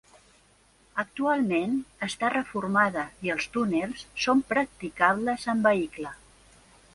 Actualment està reformada i els túnels són practicables amb vehicle.